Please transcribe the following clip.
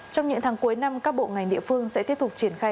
trong những tháng cuối năm các bộ ngành địa phương sẽ tiếp tục triển khai